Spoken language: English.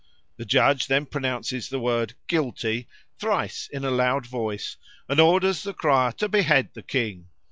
The judge then pronounces the word "Guilty" thrice in a loud voice, and orders the crier to behead the King.